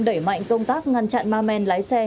đẩy mạnh công tác ngăn chặn ma men lái xe